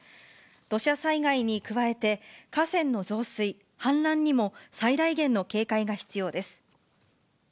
土砂災害に加えて、河川の増水、氾濫にも最大限の警戒が必要です。